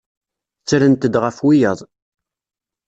Ttrent-d ɣef wiyaḍ.